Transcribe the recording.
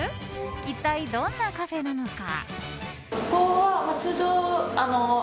一体どんなカフェなのか？